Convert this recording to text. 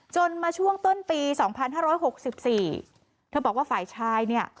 มาช่วงต้นปี๒๕๖๔เธอบอกว่าฝ่ายชายเนี่ย